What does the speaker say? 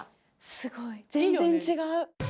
すごい全然違う。